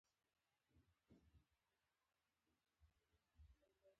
لرګي وساتئ.